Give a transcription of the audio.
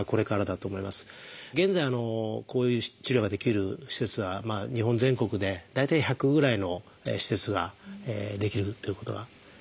現在こういう治療ができる施設は日本全国で大体１００ぐらいの施設ができるということがいわれてます。